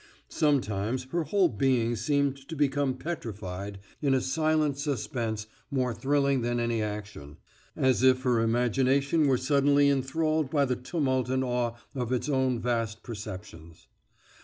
Sometimes her whole being seemed to become petrified in a silent suspense more thrilling than any action, as if her imagination were suddenly inthralled by the tumult and awe of its own vast perceptions."